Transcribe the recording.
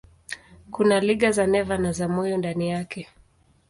Kuna liga za neva na za moyo ndani yake.